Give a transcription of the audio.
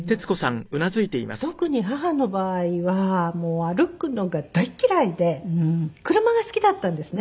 特に母の場合はもう歩くのが大嫌いで車が好きだったんですね。